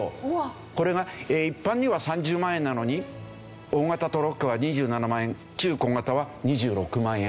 これが一般には３０万円なのに大型トラックは２７万円中小型は２６万円。